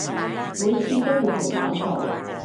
每次都會同我嘈